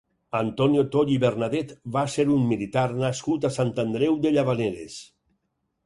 Antonio Toll i Bernadet va ser un militar nascut a Sant Andreu de Llavaneres.